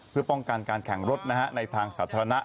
เพื่อป้องกันการแข่งรถในทางสาธารณะ